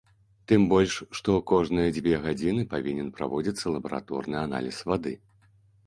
Тым больш што кожныя дзве гадзіны павінен праводзіцца лабараторны аналіз вады.